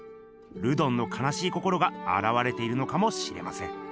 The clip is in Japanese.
ルドンのかなしい心があらわれているのかもしれません。